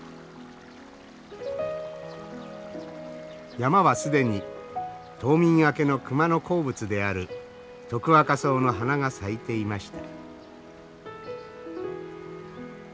山は既に冬眠明けの熊の好物であるトクワカソウの花が咲いていました。